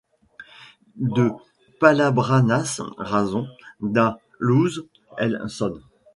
De palabraNace razon, Da luze el son.